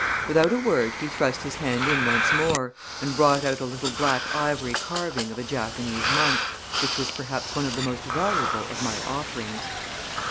Without a word he thrust his hand in once more and brought out a little black ivory carving of a Japanese monk, which was perhaps one of the most valuable of my offerings.